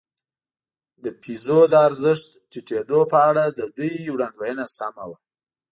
د پیزو د ارزښت ټیټېدو په اړه د دوی وړاندوېنه سمه وه.